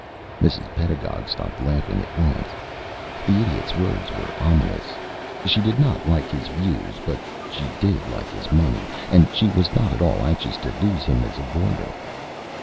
Mrs. Pedagog stopped laughing at once. The Idiot's words were ominous. She did not always like his views, but she did like his money, and she was not at all anxious to lose him as a boarder.